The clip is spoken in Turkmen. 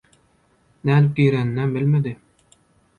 Nädip gireninem bilmedi.